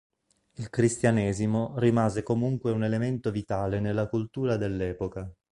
Il cristianesimo rimase comunque un elemento vitale nella cultura dell'epoca.